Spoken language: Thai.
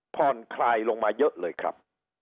พลายลงมาเยอะเลยครับ